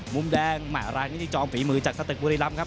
มุมแดงมารายนี้จองฝีมือจากสตกบุรีรัมพ์ครับ